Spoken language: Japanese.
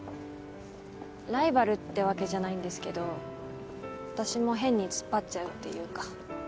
ライバルってわけじゃないんですけど私も変に突っ張っちゃうっていうか。